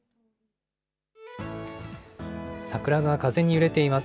桜が風に揺れています。